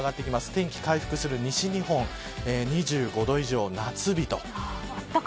天気が回復する西日本２５度以上、夏日と。